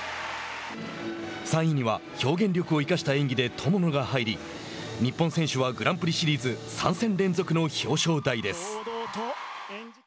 ３位には、表現力を生かした演技で友野が入り日本選手はグランプリシリーズ３戦連続の表彰台です。